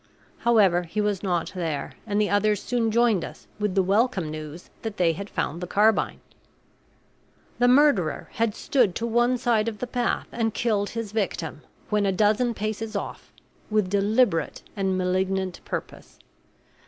However, he was not there, and the others soon joined us with the welcome news that they had found the carbine. The murderer had stood to one side of the path and killed his victim, when a dozen paces off, with deliberate and malignant purpose.